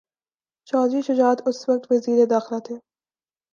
چوہدری شجاعت اس وقت وزیر داخلہ تھے۔